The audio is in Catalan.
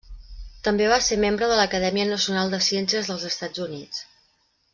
També va ser membre de l'Acadèmia Nacional de Ciències dels Estats Units.